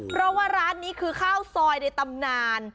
เพราะว่าร้านนี้คือข้าวซอยในตำนาน